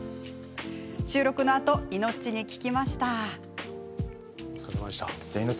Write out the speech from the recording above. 収録のあとイノッチに聞きました。